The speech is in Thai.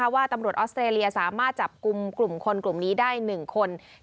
ว่าตำรวจออสเตรเลียสามารถจับกลุ่มกลุ่มคนกลุ่มนี้ได้๑คน